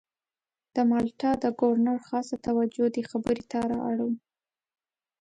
د مالټا د ګورنر خاصه توجه دې خبرې ته را اړوو.